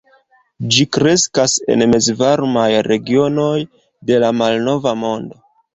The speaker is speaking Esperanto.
Ĝi kreskas en mezvarmaj regionoj de la malnova mondo.